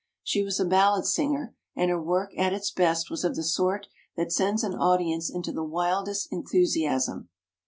She was a ballad singer and her work at its best was of the sort that sends an audience into the wildest enthusi asm.